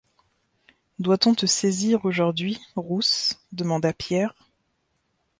Doit-on te saisir aujourd'hui, Rousse, demanda Pierre ?